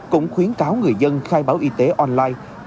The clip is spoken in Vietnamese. cũng khuyến cáo người dân khai báo y tế online